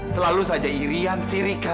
selalu saja irian sirikan